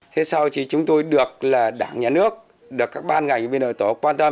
thế sao thì chúng tôi được là đảng nhà nước được các ban ngành ở bên đó tỏ quan tâm